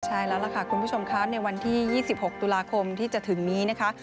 ใช่แล้วล่ะค่ะคุณผู้ชมคะในวันที่๒๖ตุลาคมที่จะถึงนี้นะคะ